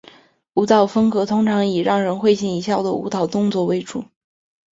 舞蹈风格通常以让人会心一笑的舞蹈动作为主。